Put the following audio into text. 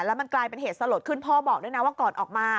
แล้วมันกลายเป็นเหตุสลดขึ้นพ่อบอกด้วยนะว่าก่อนออกมา